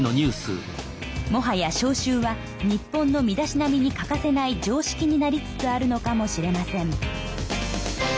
「もはや消臭は日本の身だしなみに欠かせない常識になりつつあるのかもしれません」。